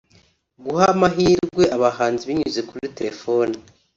Guha amahirwe abahanzi binyuze kuri telefone